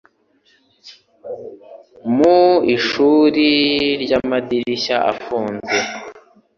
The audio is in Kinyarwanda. mu ishuri ry'amadirishya afunze